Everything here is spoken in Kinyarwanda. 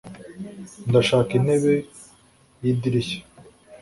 ndashaka intebe yidirishya